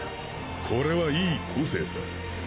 これは良い個性さ。